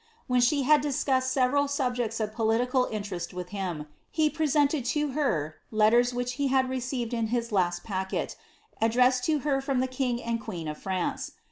When she had discussed several subjects of political interest with him, he presented to her letters which he had re ceived in his last packet, addressed to her from the king and queen of France.